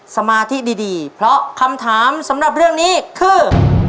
สมาธิดีเพราะคำถามสำหรับเรื่องนี้คือ